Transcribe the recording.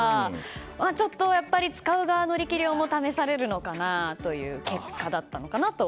ちょっとやっぱり使う側の力量も試されるのかなという結果だったのかなと。